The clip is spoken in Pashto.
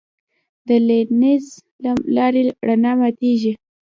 د لینز له لارې رڼا ماتېږي.